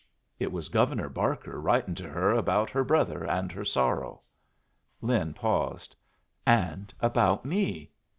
It was Governor Barker writin' to her about her brother and her sorrow." Lin paused. "And about me.